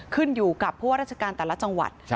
ขึ้นอยู่กับผู้ว่าราชการแต่ละจังหวัด